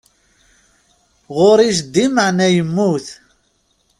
Ɣur-i jeddi meɛna yemmut.